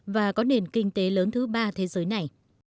và có nền kinh tế lớn thứ ba thế giới này